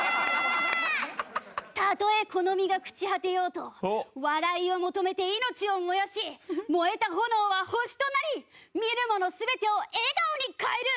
たとえこの身が朽ち果てようと笑いを求めて命を燃やし燃えた炎は星となり見る者全てを笑顔に変える！